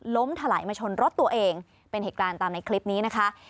ถลายมาชนรถตัวเองเป็นเหตุการณ์ตามในคลิปนี้นะคะ